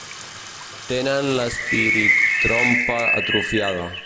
Tenen l'espiritrompa atrofiada.